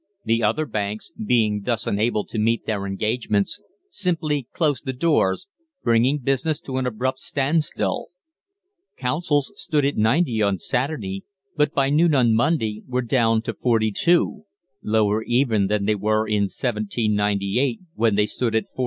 The other banks, being thus unable to meet their engagements, simply closed the doors, bringing business to an abrupt standstill. Consols stood at 90 on Saturday, but by noon on Monday were down to 42 lower even than they were in 1798, when they stood at 47 1/4.